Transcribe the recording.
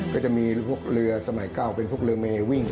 ก็จะมีพวกเรือสมัยเก่าเป็นพวกเรือเมวิ่ง